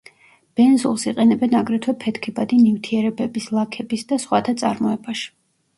ბენზოლს იყენებენ აგრეთვე ფეთქებადი ნივთიერებების, ლაქების და სხვათა წარმოებაში.